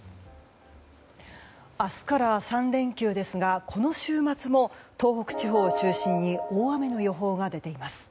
明日から３連休ですがこの週末も東北地方を中心に大雨の予報が出ています。